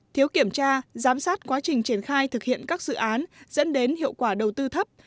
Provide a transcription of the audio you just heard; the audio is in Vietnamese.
thiếu kiểm tra giám sát quá trình triển khai thực hiện các dự án dẫn đến hiệu quả đầu tư thấp